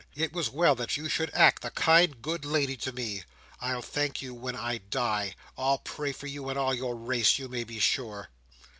It was well that you should act the kind good lady to me! I'll thank you when I die; I'll pray for you, and all your race, you may be sure!"